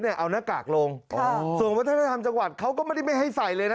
มาใส่ไม่ใช่ว่าไม่ให้ใส่เลย